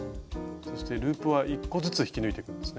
そしてループは１個ずつ引き抜いていくんですね。